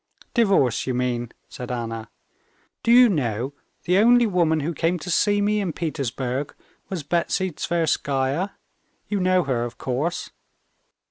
"Divorce, you mean?" said Anna. "Do you know, the only woman who came to see me in Petersburg was Betsy Tverskaya? You know her, of course?